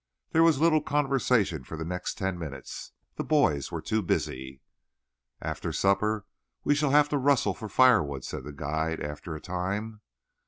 There was little conversation for the next ten minutes. The boys were too busy. "After supper we shall have to rustle for firewood," said the guide after a time.